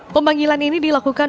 pembanggilan ini dilakukan